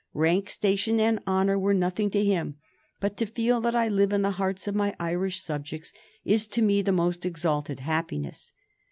Rank, station, and honor were nothing to him, but "to feel that I live in the hearts of my Irish subjects is to me the most exalted happiness."